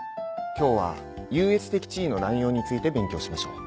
今日は優越的地位の濫用について勉強しましょう。